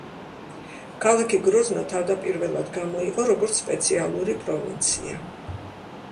ქალაქი გროზნო თავდაპირველად გამოიყო, როგორც სპეციალური პროვინცია.